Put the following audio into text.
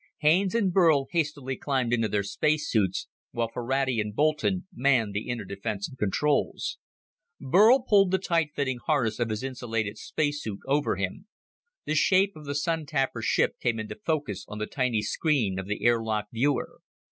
Haines and Burl hastily climbed into their space suits, while Ferrati and Boulton manned the inner defensive controls. Burl pulled the tight fitting harness of his insulated space suit over him. The shape of the Sun tapper ship came into focus on the tiny screen of the air lock viewer.